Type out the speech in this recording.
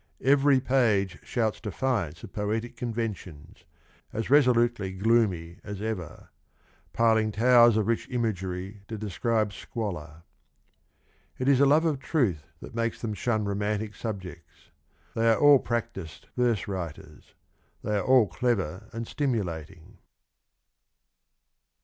Every page shouts defiance of poetic conventions ... as resolutely gloomy as ever ... piling towers of rich imagery to describe squalor. ... It is a love of truth that makes them shun romantic subjects. They are all practised verse writers. They are all clever and stimulating.